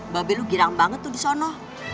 babel lu girang banget tuh di sono